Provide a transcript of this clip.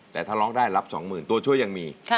แต่ถ้าร้องได้รับสองหมื่นตัวช่วยยังมี